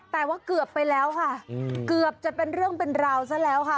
แต่ว่าเกือบไปแล้วค่ะเกือบจะเป็นเรื่องเป็นราวซะแล้วค่ะ